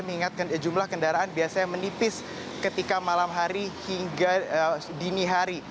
mengingat jumlah kendaraan biasanya menipis ketika malam hari hingga dini hari